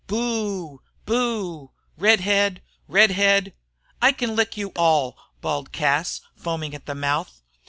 "Boo! Boo! Redhead! Redhead!" "I can lick you all," bawled Cas, foaming at the mouth.